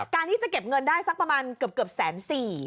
การที่จะเก็บเงินได้สักประมาณเกือบแสนสี่